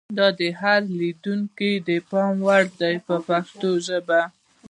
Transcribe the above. دا د هر لیدونکي د پاملرنې وړ دي په پښتو ژبه.